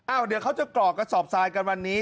เดี๋ยวเขาจะกรอกกระสอบทรายกันวันนี้